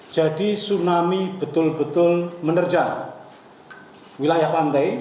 jadi tsunami betul betul menerjang wilayah pantai